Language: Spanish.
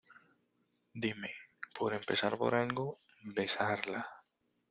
dime. por empezar por algo, besarla .